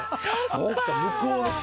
そっか向こうの。